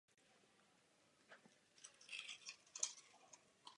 Je pravým přítokem Nigeru.